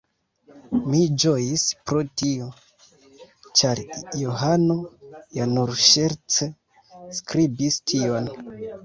Mi ĝojis pro tio, ĉar Johano ja nur ŝerce skribis tion.